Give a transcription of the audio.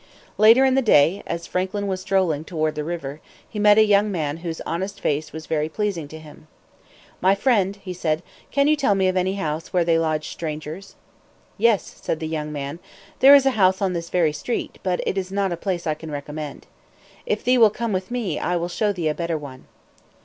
Later in the day, as Franklin was strolling toward the river, he met a young man whose honest face was very pleasing to him. "My friend," he said, "can you tell me of any house where they lodge strangers?" "Yes," said the young man, "there is a house on this very street; but it is not a place I can recommend. If thee will come with me I will show thee a better one."